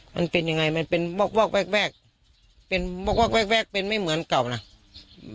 มันเป็นยังไงมันเป็นวอกแวกเป็นวอกแวกเป็นไม่เหมือนเก่าเนาะ